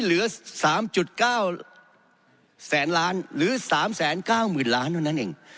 เหลือ๓๙แสนล้านหรือ๓๙๐๐๐ล้านเท่านั้นเอง